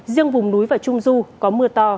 riêng vùng núi và trung du có mưa to đến rất to